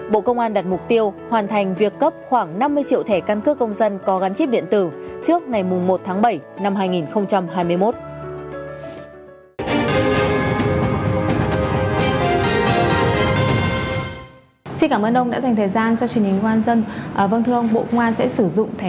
bộ công an đặt mục tiêu hoàn thành việc cấp khoảng năm mươi triệu thẻ căn cước công dân có gắn chip điện tử